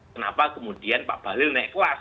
kenapa kemudian pak bahlil naik kelas